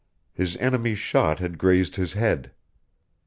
His enemy's shot had grazed his head.